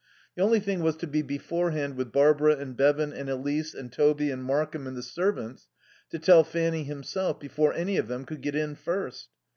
The only thing was to be beforehand with Barbara and Bevan and Elise and Toby and Markham and the servants; to tell Fanny himself before any of them could get in first.